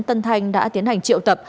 tân thanh đã tiến hành triệu tập